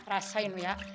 rasain lu ya